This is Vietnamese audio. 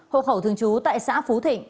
hộ khẩu thường trú tại xã phú thịnh